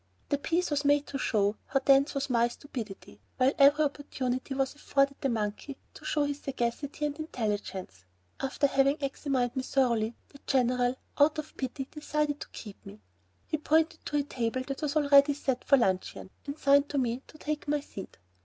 The piece was made to show how dense was my stupidity, while every opportunity was afforded the monkey to show his sagacity and intelligence. After having examined me thoroughly, the General, out of pity, decided to keep me. He pointed to a table that was already set for luncheon, and signed to me to take my seat.